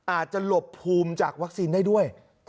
อาจจะหลบภูมิจากวัคซีนได้ด้วย